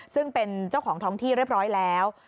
ซึ่งเป็นเจ้าของท้องที่เรียบร้อยแล้ว